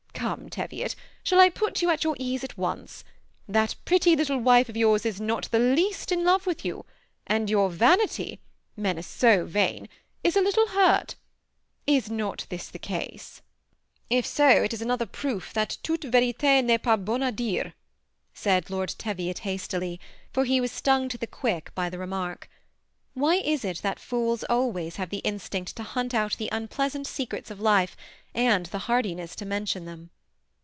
Come, Teviot, shall I put you at your ease at once ? that pretty little wife of yours is not the least in lov« with you, and your vanity — men are so vain — is a little hurt. Is not this the truth ?"^' If so, it is another proof that ^ toute v^rite n'est pas bonne ^ dire,'" said Lord Teviot, hjEistily,.for he was stung to the quick by the remark. Why is it that fools always have the instinct to hunt out the unpleasant secrets of life, and the hardiness to mention them